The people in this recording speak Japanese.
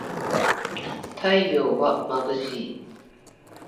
太陽はまぶしい